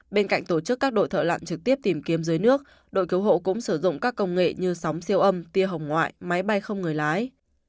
bên cạnh tổ chức các đội thợ lặn trực tiếp tìm kiếm dưới nước đội cứu hộ cũng sử dụng các công nghệ như sóng siêu âm tia hồng ngoại máy bay không người lái